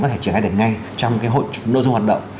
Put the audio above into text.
có thể trở lại được ngay trong cái hội nội dung hoạt động